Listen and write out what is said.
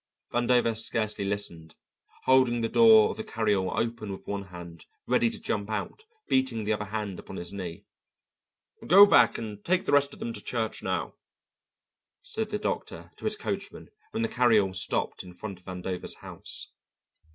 Vandover scarcely listened, holding the door of the carry all open with one hand, ready to jump out, beating the other hand upon his knee. "Go back and take the rest of them to church now," said the doctor to his coachman when the carry all stopped in front of Vandover's house.